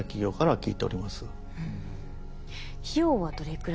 はい。